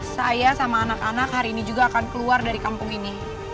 saya sama anak anak hari ini juga akan keluar dari kampung ini